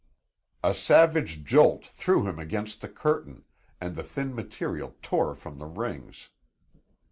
A savage jolt threw him against the curtain, and the thin material tore from the rings.